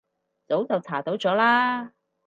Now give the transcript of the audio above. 早就查到咗啦